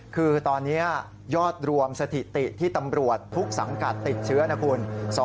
คือตอนนี้ยอดรวมสถิติที่ตำรวจทุกสังกัดติดเชื้อนะคุณ